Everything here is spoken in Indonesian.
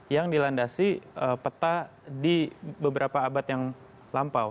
yang dilandasi peta di beberapa abad yang lampau